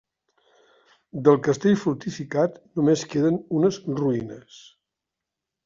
Del castell fortificat només queden unes ruïnes.